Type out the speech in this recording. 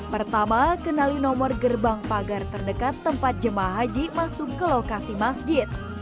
pertama kenali nomor gerbang pagar terdekat tempat jemaah haji masuk ke lokasi masjid